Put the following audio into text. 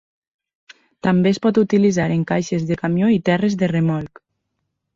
També es pot utilitzar en caixes de camió i terres de remolc.